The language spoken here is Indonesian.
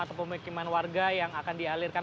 atau pemukiman warga yang akan dialirkan